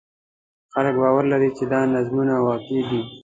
خلک باور لري چې دا نظمونه واقعي دي.